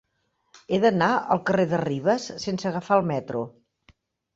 He d'anar al carrer de Ribes sense agafar el metro.